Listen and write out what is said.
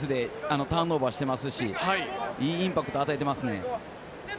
先ほどもディフェンスでターンオーバーしていますし、いいインパクトを与えていますね。